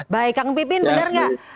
baik kang pipin benar nggak